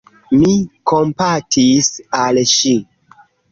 Mi kompatis al ŝi.